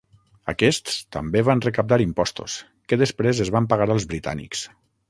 Aquests també van recaptar impostos, que després es van pagar als britànics.